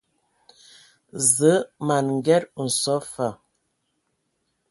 Zǝə ma n Nged nso fa.